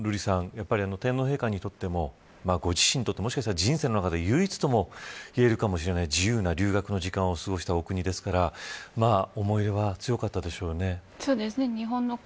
やっぱり天皇陛下にとってもご自身にとってもしかして人生の中で唯一ともいえるかもしれない自由な留学の時間を過ごしたお国ですから思い入れは強かったでしょうね。